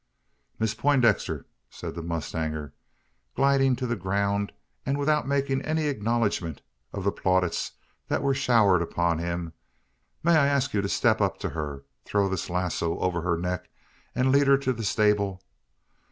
"Miss Poindexter!" said the mustanger, gliding to the ground, and without making any acknowledgment to the plaudits that were showered upon him "may I ask you to step up to her, throw this lazo over her neck, and lead her to the stable?